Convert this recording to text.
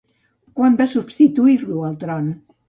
Quan va substituir-lo al tron?